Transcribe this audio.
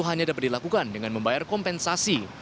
hal ini dapat dilakukan dengan membayar kompensasi